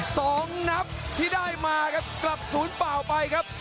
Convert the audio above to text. สองนับที่ได้มาครับกลับศูนย์เปล่าไปครับ